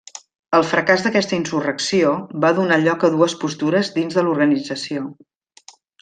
El fracàs d'aquesta insurrecció va donar lloc a dues postures dins de l'organització.